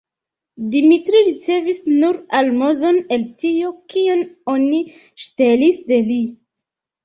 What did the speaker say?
Dimitri ricevis nur almozon el tio, kion oni ŝtelis de li.